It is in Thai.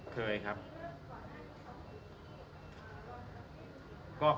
เคยครับ